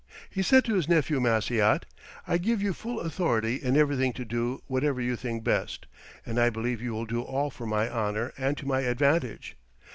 He said to his nephew Maciot, "I give you full authority in everything to do whatever you think best, and I believe you will do all for my honour and to my advantage.